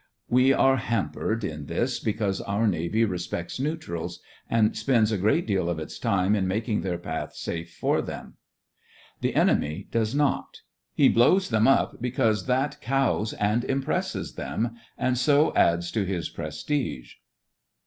We are hampered in this, because our Navy respects neutrals; and spends a great deal of its time in making their path safe 92 THE FRINGES OF THE FLEET for them. The enemy does not. He blows them up, because that ccws and impresses them, and so adds to his prestige.